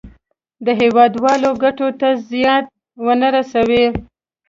د هېوادوالو ګټو ته زیان ونه رسوي.